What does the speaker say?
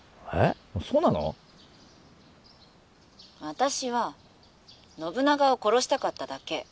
「私は信長を殺したかっただけ。